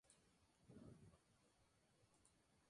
La unidad fue disuelta tras el final de la contienda.